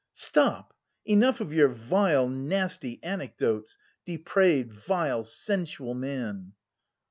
"Stop! Enough of your vile, nasty anecdotes, depraved vile, sensual man!"